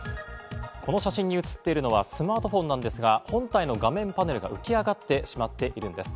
この写真に写っているのはスマートフォンなんですが、本体の画面パネルが浮き上がってしまっているんです。